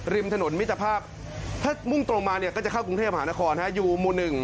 ริมถนนมิตรภาพถ้ามุ่งตรงมาเนี่ยก็จะเข้ากรุงเทพหานครอยู่หมู่๑